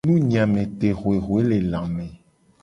Nunyiametehuehuelelame.